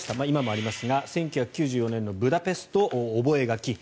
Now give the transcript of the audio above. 今もありますが１９９４年のブダペスト覚書。